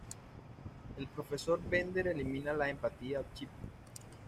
El profesor Bender elimina la empatía chip.